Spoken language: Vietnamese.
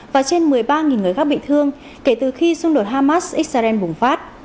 và trên một mươi ba người khác bị thương kể từ khi xung đột hamas israel bùng phát